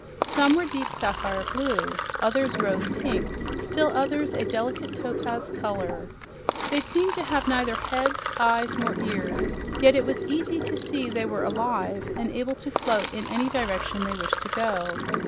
Some were deep sapphire blue; others rose pink; still others a delicate topaz color. They seemed to have neither heads, eyes nor ears, yet it was easy to see they were alive and able to float in any direction they wished to go.